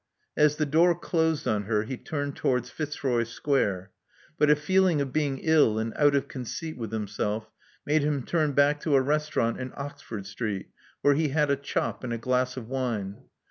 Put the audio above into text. As the door closed on her, he turned towards Fitzroy Square; but a feeling of being ill and out of conceit with himself made him turn back to a restaurant in Oxford Street, where he had a chop and a glass of wine.